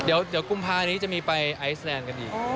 เดี๋ยวกุมภานี้จะมีไปไอซแลนดกันอีก